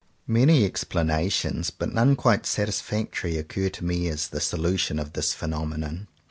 Many explanations, but none quite satis factory, occur to me as the solution of this phenomenon.